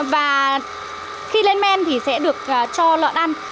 và khi lên men thì sẽ được cho lợn ăn